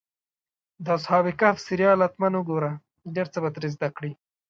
د اصحاب کهف سریال حتماً وګوره، ډېر څه به ترې زده کړې.